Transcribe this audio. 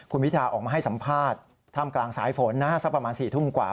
คุณพิธาออกมาให้สัมภาษณ์ท่ามกลางสายฝนนะสักประมาณ๔ทุ่มกว่า